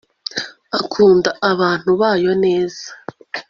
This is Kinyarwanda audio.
akunda abantu bayo neza